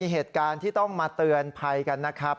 เหตุการณ์ที่ต้องมาเตือนภัยกันนะครับ